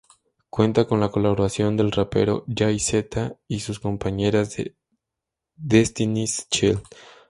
Cuenta con la colaboración del rapero Jay-Z y su compañeras de Destiny's Child.